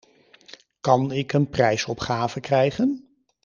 Kan ik een prijsopgave krijgen?